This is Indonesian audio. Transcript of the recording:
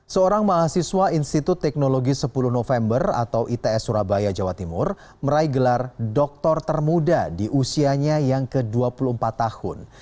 seorang mahasiswa institut teknologi sepuluh november atau its surabaya jawa timur meraih gelar doktor termuda di usianya yang ke dua puluh empat tahun